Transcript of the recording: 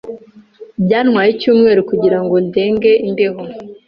Byantwaye icyumweru kugirango ndenge imbeho.